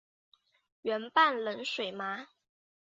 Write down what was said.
圆瓣冷水麻